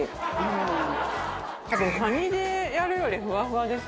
多分カニでやるよりフワフワですね。